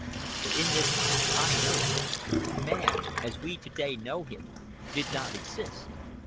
For in this past I know of, man, as we to day know him, did not exist.